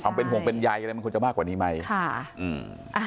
ห่วงเป็นใยอะไรมันควรจะมากกว่านี้ไหมค่ะอืม